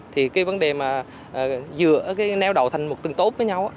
thì cái vấn đề mà dựa cái néo đậu thành một tầng tốt với nhau